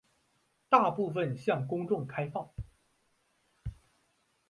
大部分向公众开放。